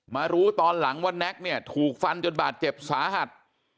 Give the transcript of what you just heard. มารู้ตอนหลังว่าแน็กเนี่ยถูกฟันจนบาดเจ็บสาหัส